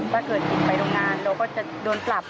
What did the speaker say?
ถ้าเกิดคุณไปโรงงานเราก็จะโดนปรับ